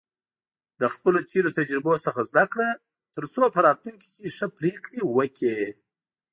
له خپلو تېرو تجربو څخه زده کړه، ترڅو په راتلونکي کې ښه پریکړې وکړې.